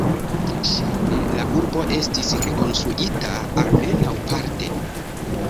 Ŝajne la urbo estis rekonstruita, almenaŭ parte.